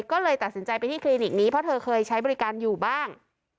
ก็เลยตัดสินใจไปที่คลินิกนี้เพราะเธอเคยใช้บริการอยู่บ้าง